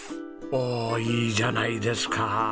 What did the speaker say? おおいいじゃないですか。